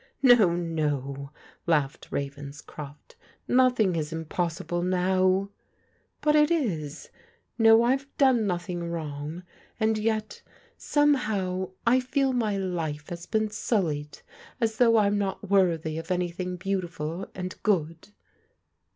"No, no," laughed Ravenscroft, "nothing is impos sible now." "But it IS. No, Fve done nothing wrong, and yet, somehow, I feel my life has been sullied, as though I'm not worthy of anything beautiful and good."